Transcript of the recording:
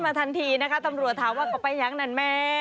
กลายเป็นนักซ่อมรถซะอย่างนั้นค่ะ